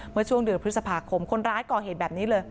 เมื่อช่วงเดือนพฤษภาคมคนร้ายก่อเหตุแบบนี้เลย